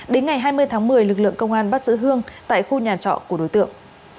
đến ngày hai mươi tháng một mươi lực lượng công an bắt giữ hương tại khu nhà trọ của đối tượng